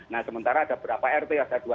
nah sementara ada berapa rt ada dua